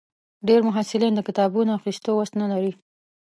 ډېری محصلین د کتابونو اخیستو وس نه لري.